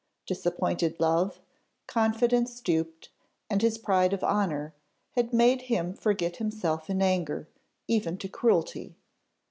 Disappointed love, confidence duped, and his pride of honour, had made him forget himself in anger, even to cruelty.